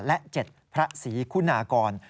และ๗พระศรีคุณากร